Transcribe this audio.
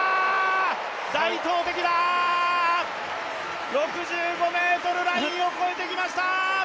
大投てきだ、６５ｍラインを越えてきました。